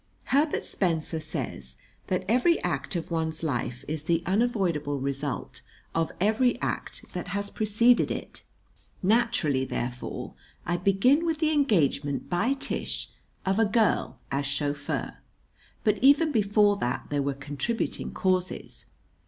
Herbert Spencer says that every act of one's life is the unavoidable result of every act that has preceded it. Naturally, therefore, I begin with the engagement by Tish of a girl as chauffeur; but even before that there were contributing causes.